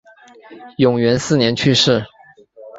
永元四年去世。